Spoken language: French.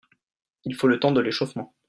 Il faut le temps de l’échauffement